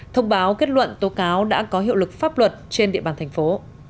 thông báo kết luận tố cáo đã có hiệu lực pháp luật trên địa bàn thành phố